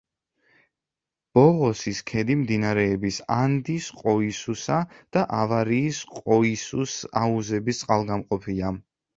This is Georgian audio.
ბოღოსის ქედი მდინარეების ანდის ყოისუსა და ავარიის ყოისუს აუზების წყალგამყოფია.